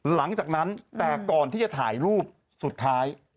หลังจากนั้นแต่ก่อนที่จะถ่ายรูปสุดท้าย